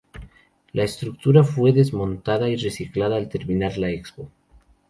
La estructura fue desmontada y reciclada al terminar la Expo.